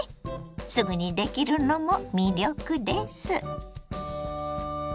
すぐにできるのも魅力です。